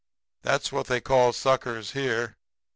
That's what they call suckers here.